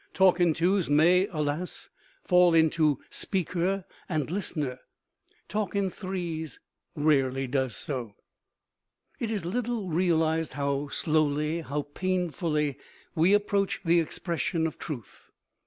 Talk in twos may, alas! fall into speaker and listener: talk in threes rarely does so. It is little realized how slowly, how painfully, we approach the expression of truth.